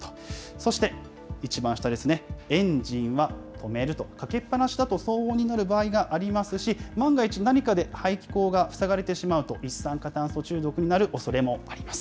そして、一番下ですね、エンジンは止めると、かけっぱなしだと騒音になる場合がありますし、万が一、何かで排気口が塞がれてしまうと、一酸化炭素中毒になるおそれもあります。